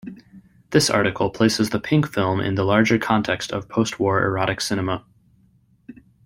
This article places the pink film in the larger context of postwar erotic cinema.